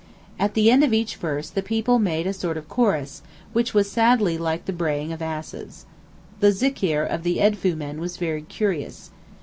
At the end of each verse the people made a sort of chorus, which was sadly like the braying of asses. The zikr of the Edfoo men was very curious.